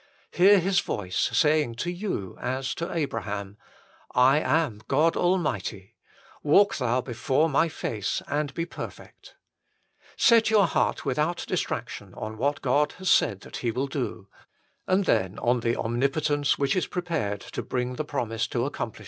Hear His voice saying to you as to Abraham :" I am God Almighty : walk thou before My face and be perfect." 2 Set your heart without distraction on what God has said that He will do, and then on the Omnipotence which is prepared to bring the promise to accomplish 1 Num.